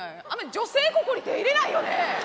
女性ここに手ぇ入れないよね。